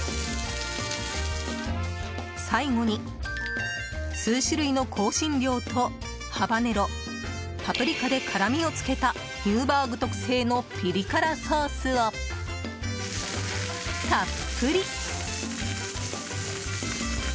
最後に、数種類の香辛料とハバネロ、パプリカで辛味をつけたニューバーグ特製のピリ辛ソースをたっぷり！